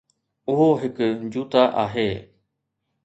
اهو هڪ جوتا آهي